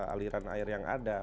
aliran air yang ada